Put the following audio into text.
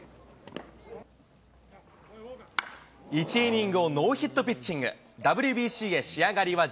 １イニングをノーヒットピッチング。